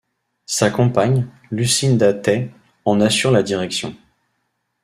Sa compagne, Lucinda Tait, en assure la direction.